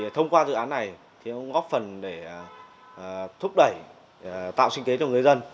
thông qua dự án này cũng góp phần để thúc đẩy tạo sinh kế cho người dân